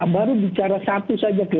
baru bicara satu saja